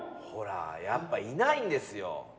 ほらやっぱいないんですよ。